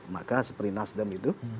maka seperti nasdaq dan begitu